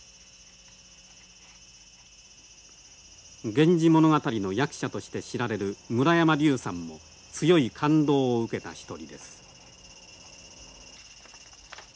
「源氏物語」の訳者として知られる村山リウさんも強い感動を受けた一人です。